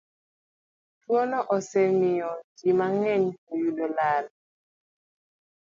Twono osemiyo ji mang'eny oyudo lal.